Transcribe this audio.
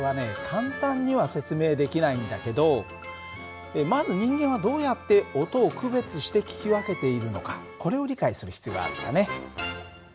簡単には説明できないんだけどまず人間はどうやって音を区別して聞き分けているのかこれを理解する必要があるんだね。